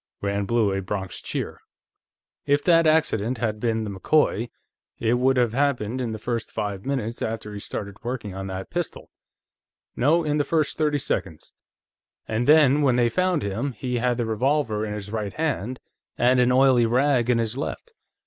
Rand blew a Bronx cheer. "If that accident had been the McCoy, it would have happened in the first five minutes after he started working on that pistol. No, in the first thirty seconds. And then, when they found him, he had the revolver in his right hand, and an oily rag in his left.